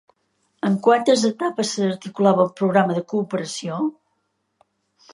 En quantes etapes s'articulava el programa de cooperació?